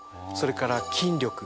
それから筋力。